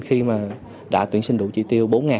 khi đã tuyển sinh đủ chỉ tiêu bốn